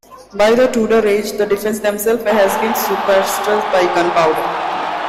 By the Tudor age, the defences themselves had been superseded by gunpowder.